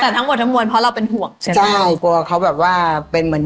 แต่ทั้งหมดทั้งมวลเพราะเราเป็นห่วง